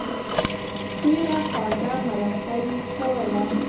ډېره خوږه مرکه یې کوله.